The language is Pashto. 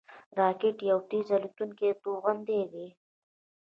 راکټ یو تېز الوتونکی توغندی دی